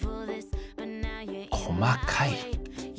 細かい。